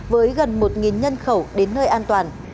với gần một nhân khẩu đến nơi an toàn